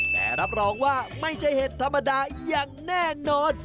แต่รับรองว่าไม่ใช่เห็ดธรรมดาอย่างแน่นอน